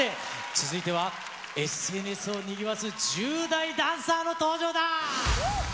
続いては、ＳＮＳをにぎわす１０代ダンサーの登場だ。